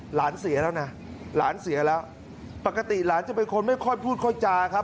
หลานเสียแล้วนะหลานเสียแล้วปกติหลานจะเป็นคนไม่ค่อยพูดค่อยจาครับ